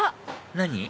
何？